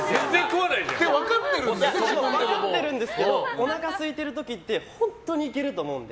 分かってるんですけどおなかすいてる時って本当にいけると思うので。